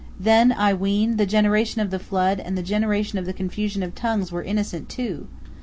Then, I ween, the generation of the flood and the generation of the confusion of tongues were innocent, too!